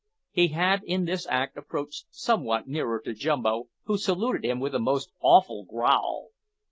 He had in this act approached somewhat nearer to Jumbo, who saluted him with a most awful growl.